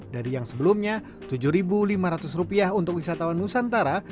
dari yang sebelumnya rp tujuh lima ratus untuk wisatawan nusantara